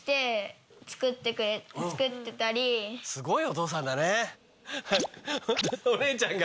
すごいお父さんだね。